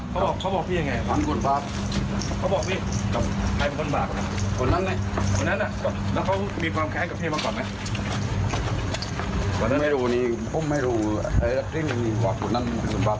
ก็บอกว่าจะมากินลูกกินไรจริงเหรอพี่